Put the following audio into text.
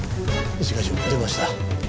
一課長出ました。